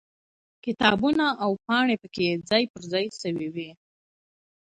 کتابونه او پاڼې پکې ځای پر ځای شوي وي.